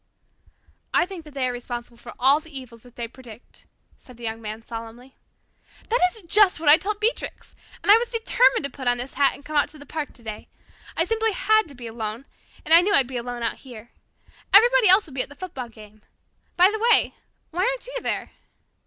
"I think that they are responsible for all the evils that they predict," said the Young Man solemnly. "That is just what I told Beatrix. And I was determined to put on this hat and come out to the park today. I simply had to be alone, and I knew I'd be alone out here. Everybody else would be at the football game. By the way, why aren't you there?"